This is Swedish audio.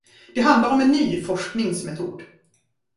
Det handlar om en ny forskningsmetod.